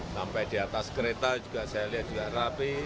sampai di atas kereta juga saya lihat juga rapi